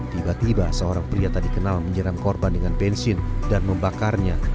tiba tiba seorang pria tadi kenal menyeram korban dengan bensin dan membakarnya